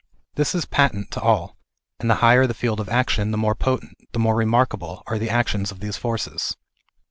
This is patent to all, and the higher the field of action the more potent, the more remarkable, are the actions of these forces.